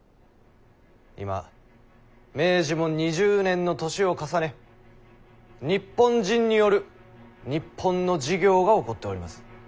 今明治も２０年の年を重ね日本人による日本の事業が興っております。